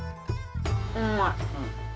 うまい。